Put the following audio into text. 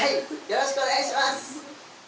よろしくお願いします！